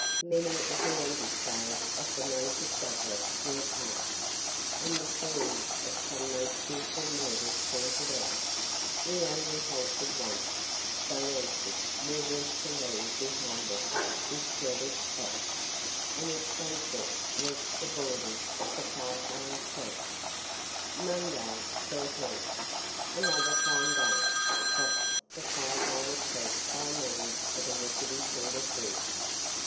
Many of the ambuscades of the noted Douglas were passed, and the scenes of some most fearful murders pointed out. We only halted once so anxious were we to leave behind us this dreaded spot and at sunset reached the borders of the Five Mile Creek. MONDAY, 13. Another fine day. Crossed the Five Mile Creek by means of a rickety sort of bridge.